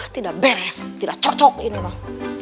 tidak beres tidak cocok ini bang